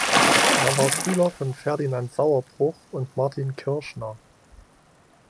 Er war Schüler von Ferdinand Sauerbruch und Martin Kirschner.